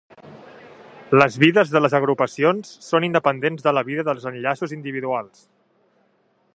Les vides de les agrupacions són independents de la vida dels enllaços individuals.